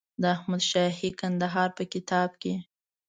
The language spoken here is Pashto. د احمدشاهي کندهار په کتاب کې.